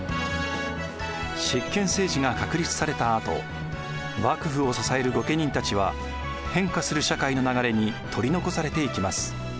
執権政治が確立されたあと幕府を支える御家人たちは変化する社会の流れに取り残されていきます。